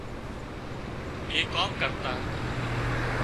ٻي ڪام ڪرتا